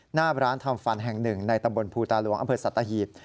หน้าร้านทำฟันแห่งหนึ่งในตำบลภูตาหลวงอำเภอสัตหีบ